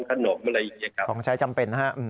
ขนมอะไรอย่างนี้ครับของใช้จำเป็นนะฮะ